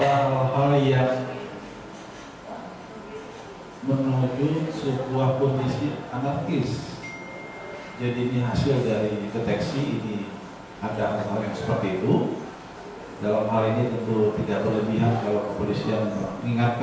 bahwa pelaksanaan berasa yang akan dilaksanakan diharapkan dalam periode untuk